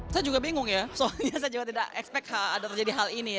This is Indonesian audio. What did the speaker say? saya juga bingung ya soalnya saya juga tidak expect ada terjadi hal ini ya